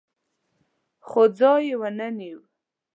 خو ځای یې ونه نیو.